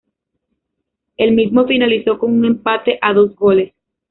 El mismo finalizó con un empate a dos goles.